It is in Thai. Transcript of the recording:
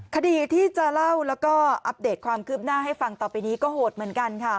คดีที่จะเล่าแล้วก็อัปเดตความคืบหน้าให้ฟังต่อไปนี้ก็โหดเหมือนกันค่ะ